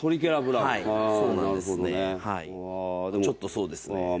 ちょっとそうですね。